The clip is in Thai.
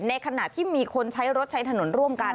ในขณะที่มีคนใช้รถใช้ถนนร่วมกัน